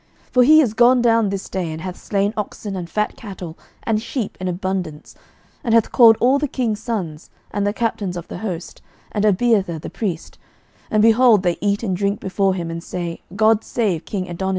11:001:025 For he is gone down this day, and hath slain oxen and fat cattle and sheep in abundance, and hath called all the king's sons, and the captains of the host, and Abiathar the priest; and, behold, they eat and drink before him, and say, God save king Adonijah.